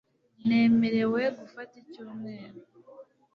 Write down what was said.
nemerewe gufata icyumweru